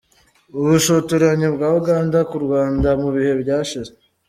Ubushotoranyi bwa Uganda ku Rwanda mu bihe byashize.